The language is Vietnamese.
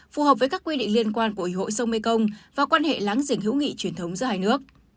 phù hợp với các quy định liên quan của ủy hội sông mekong và quan hệ láng giềng hữu nghị truyền thống giữa hai nước